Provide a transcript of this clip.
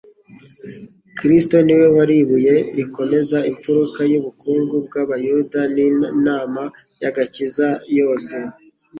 Kristo ni we wari ibuye rikomeza imfuruka y’ubukungu bw’abayuda n’inama y’agakiza yose